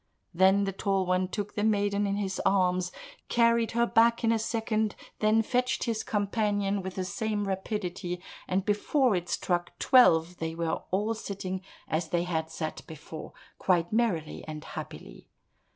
Then the Tall One took the maiden in his arms, carried her back in a second, then fetched his companion with the same rapidity, and before it struck twelve they were all sitting as they had sat before, quite merrily and happily.